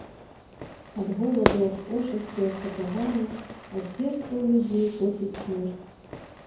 Ад голаду, ад пошасцей, ад катаванняў, ад зверстваў людзей косіць смерць.